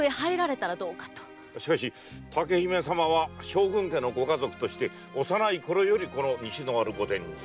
しかし竹姫様は将軍家のご家族として幼いころよりこの西の丸御殿に。